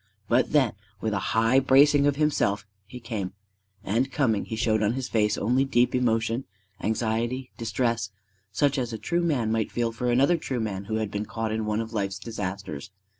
But then with a high bracing of himself he came. And coming, he showed in his face only deep emotion, anxiety, distress, such as a true man might feel for another true man who had been caught in one of life's disasters.